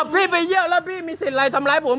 พี่ไปเยอะแล้วพี่มีสิทธิ์อะไรทำร้ายผม